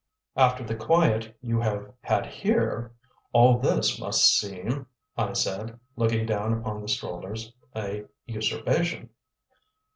"After the quiet you have had here, all this must seem," I said, looking down upon the strollers, "a usurpation."